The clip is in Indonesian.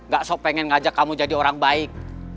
gak so pengen ngajak kamu jadi orang baik